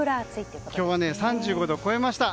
今日は３５度を超えました。